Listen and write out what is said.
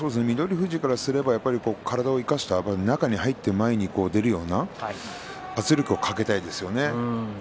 富士からすれば体を生かして前に入って出るような圧力をかけたいですよね。